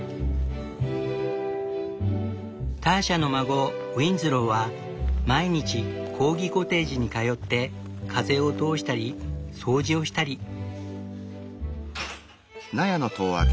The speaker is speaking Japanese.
ターシャの孫ウィンズローは毎日コーギコテージに通って風を通したり掃除をしたり。